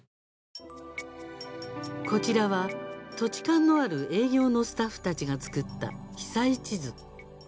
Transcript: こちらは、土地勘のある営業のスタッフたちが作った被災地図。